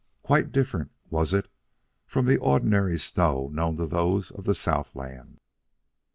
Quite different was it from the ordinary snow known to those of the Southland.